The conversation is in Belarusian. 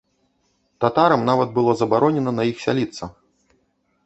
Татарам нават было забаронена на іх сяліцца.